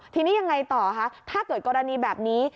ทีนี้ยังไงต่อคะถ้าเกิดกรณีแบบนี้